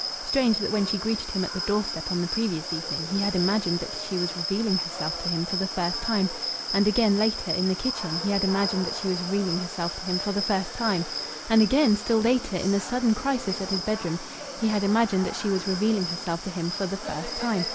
Strange that when she greeted him at the door step on the previous evening, he had imagined that she was revealing herself to him for the first time; and again later, in the kitchen, he had imagined that she was revealing herself to him for the first time; and again, still later, in the sudden crisis at his bedroom door, he had imagined that she was revealing herself to him for the first time.